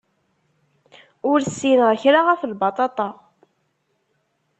Ur ssineɣ kra ɣef lbaṭaṭa.